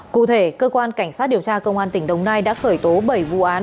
cụ thể cơ quan cảnh sát điều tra công an tỉnh đồng nai đã khởi tố bảy vụ án